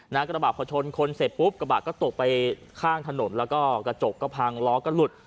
กระบะพอชนคนเสร็จปุ๊บกระบะก็ตกไปข้างถนนแล้วก็กระจกก็พังล้อก็หลุด